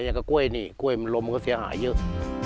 อย่างกับกล้วยนี่กล้วยมันลมก็เสียหายเยอะ